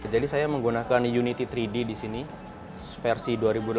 jadi saya menggunakan unity tiga d di sini versi dua ribu delapan belas